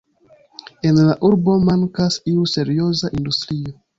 En la urbo mankas iu serioza industrio.